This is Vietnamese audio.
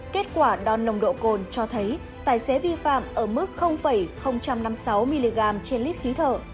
kết quả đo nồng độ cồn cho thấy tài xế vi phạm ở mức năm mươi sáu mg trên lít khí thở